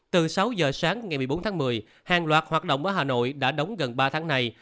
từ sáu giờ sáng ngày một mươi bốn tháng một mươi hàng loạt hoạt động ở hà nội đã đóng gần ba tháng này